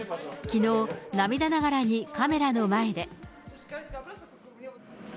きのう、涙ながらにカメラの前で。